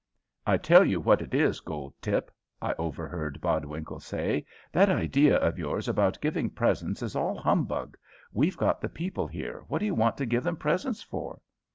"I tell you what it is, Goldtip," I overheard Bodwinkle say, "that idea of yours about giving presents is all humbug; we've got the people here, what do you want to give them presents for?"